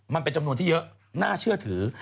มันเป็นจำนวนที่เยอะน่าเชื่อถือ